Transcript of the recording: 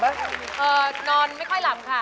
นอนไม่ค่อยหลับค่ะ